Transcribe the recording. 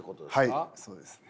はいそうですね。